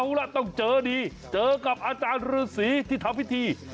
เอาล่ะต้องเจอดีเจอกับอาจารย์ฤษีที่ทำพิธี